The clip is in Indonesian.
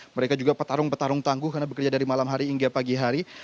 mereka juga petarung petarung tangguh karena bekerja dari malam hari hingga pagi hari